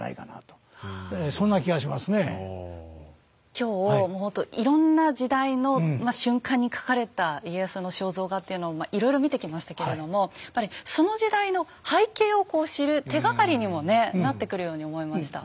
今日もうほんといろんな時代の瞬間に描かれた家康の肖像画っていうのをいろいろ見てきましたけれどもやっぱりその時代の背景をこう知る手がかりにもねなってくるように思いました。